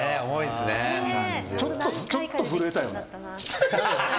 ちょっと震えてたよね。